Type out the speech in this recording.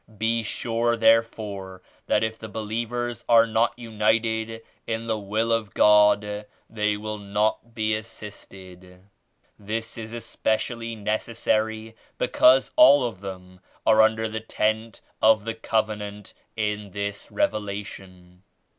Be sure therefore that if the believers are not united in the Will of God they will not be assisted. This is espe cially necessary because all of them are under the Tent of the Covenant in this Revelation.